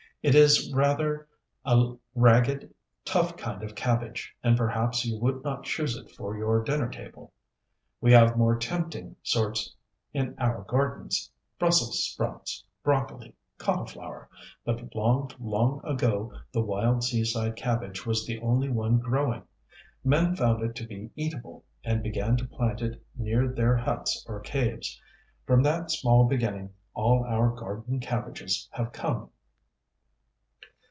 It is rather a ragged, tough kind of Cabbage, and perhaps you would not choose it for your dinner table. We have more tempting sorts in our gardens Brussels Sprouts, Broccoli, Cauliflower, but long, long ago the wild seaside cabbage was the only one growing. Men found it to be eatable, and began to plant it near their huts or caves. From that small beginning all our garden cabbages have come.